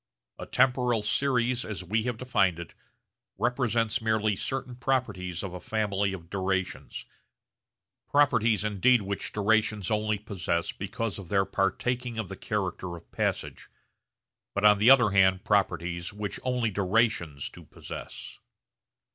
A temporal series, as we have defined it, represents merely certain properties of a family of durations properties indeed which durations only possess because of their partaking of the character of passage, but on the other hand properties which only durations do possess.